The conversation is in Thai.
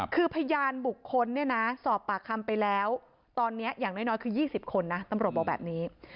คือพยานบุคคลเนี่ยนะสอบปากคำไปแล้วตอนนี้อย่างน้อยคือ๒๐คนนะตำรวจบอกแบบนี้